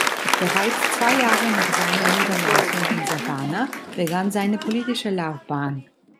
Bereits zwei Jahre nach seiner Niederlassung in Savannah begann seine politische Laufbahn.